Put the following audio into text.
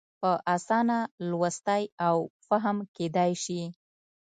په اسانه لوستی او فهم کېدای شي.